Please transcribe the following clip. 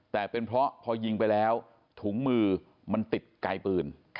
แต่เป็นเพราะพอยิงไปแล้วถุงมือมันติดไกลปืน